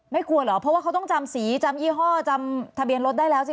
กลัวเหรอเพราะว่าเขาต้องจำสีจำยี่ห้อจำทะเบียนรถได้แล้วสิ